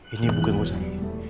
ini bukan bosan